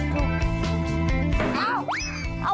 ย่ายดาวข้าวอีย้าง